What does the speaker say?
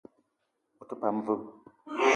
Ou te pam vé?